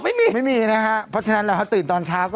ไม่มีไม่มีเหมาะ